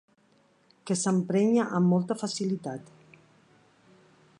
Que s'emprenya amb molta facilitat.